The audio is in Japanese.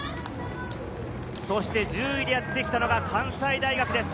１０位でやってきたのは関西大学です。